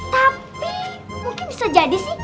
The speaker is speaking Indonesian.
tapi mungkin bisa jadi sih